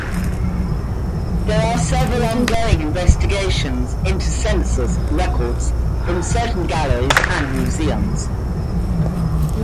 There are several ongoing investigations into census records from certain galleries and museums.